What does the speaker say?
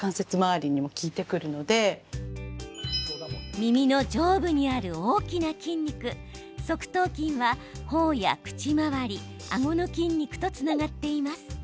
耳の上部にある大きな筋肉側頭筋はほおや口周りあごの筋肉とつながっています。